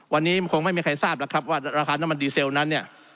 วันนี้คงไม่มีใครทราบหรอกครับว่าราคาน้ำมันดีเซลนั้นเนี่ย